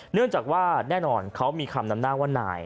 เนื่องจากว่าแน่นอนเขามีคำนำหน้าว่านาย